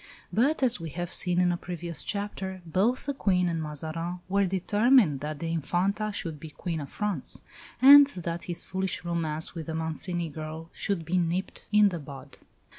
But, as we have seen in a previous chapter, both the Queen and Mazarin were determined that the Infanta should be Queen of France; and that his foolish romance with the Mancini girl should be nipped in the bud.